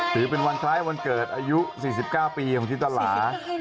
ถือเป็นวันคล้ายวันเกิดอายุ๔๙ปีของจินตรา